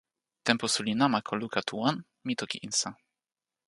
tenpo suli namako luka tu wan, mi toki insa.